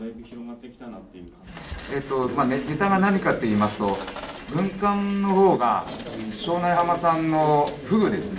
えっとネタが何かといいますと軍艦のほうが庄内浜産のフグですね。